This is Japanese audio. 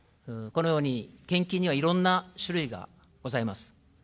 このように献金にはいろんな種類がございます。